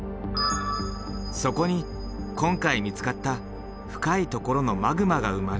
そこに今回見つかった深いところのマグマが生まれる。